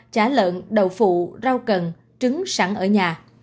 chá lợn đậu phụ rau cần trứng sẵn ở nhà